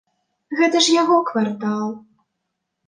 Гэта ж яго квартал.